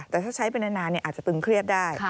แต่ถ้าใช้ไปนานอาจจะตึงเครียดได้